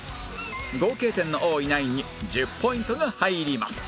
合計点の多いナインに１０ポイントが入ります